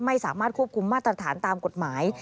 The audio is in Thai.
ไม่สามารถควบคุมมาตรฐานตามกฎหมาย